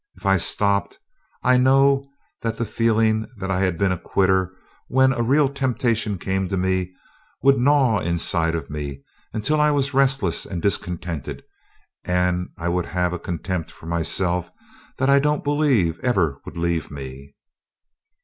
If I stopped, I know that the feeling that I had been a quitter when a real temptation came to me would gnaw inside of me until I was restless and discontented, and I would have a contempt for myself that I don't believe ever would leave me.